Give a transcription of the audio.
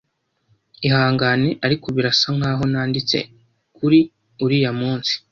Ihangane, ariko birasa nkaho nanditse kuri uriya munsi .